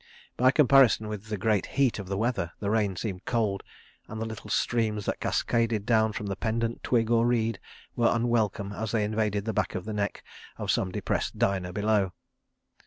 By comparison with the great heat of the weather, the rain seemed cold, and the little streams that cascaded down from pendent twig or reed were unwelcome as they invaded the back of the neck of some depressed diner below.